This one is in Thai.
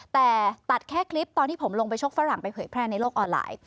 แต่ตัดแค่คลิปตอนที่ผมลงไปชกฝรั่งไปเผยแพร่ในโลกออนไลน์